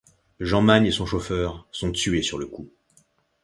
Jean Magne et son chauffeur son tués sur le coup.